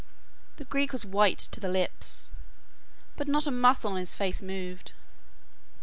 The Greek was white to the lips, but not a muscle of his face moved.